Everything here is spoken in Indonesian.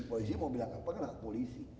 polisi mau bilang apa kenapa polisi